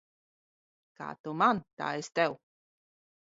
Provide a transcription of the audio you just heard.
Kā tu man, tā es tev.